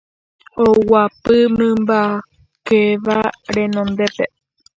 Oguapy mymbakeha renondépe